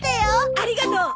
ありがとう。